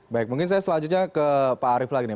baik mungkin saya selanjutnya ke pak arief lagi nih